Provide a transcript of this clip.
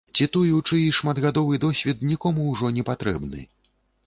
Ці тую, чый шматгадовы досвед нікому ўжо не патрэбны.